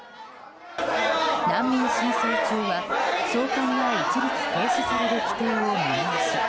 難民申請中は、送還が一律停止される規定を見直し